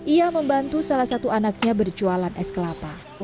ia membantu salah satu anaknya berjualan es kelapa